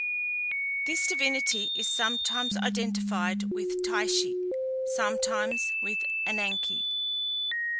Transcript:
This divinity is sometimes identified with Tyche, sometimes with Ananke.